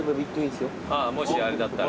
もしあれだったら。